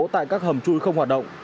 tại các hầm chui không hoạt động